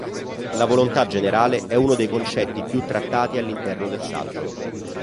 La volontà generale è uno dei concetti più trattati all'interno del saggio.